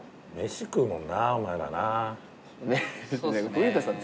古田さん